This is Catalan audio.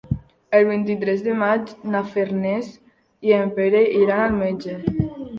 El vint-i-tres de maig na Farners i en Pere iran al metge.